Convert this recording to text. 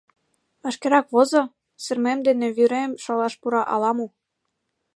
Вашкерак возо, сырымем дене вӱрем шолаш пура ала-мо!..